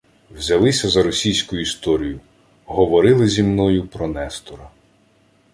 «Взялися за Російську Історію; говорили зі мною про Нестора